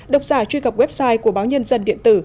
độc giả truy cập website của báo nhân dân điện tử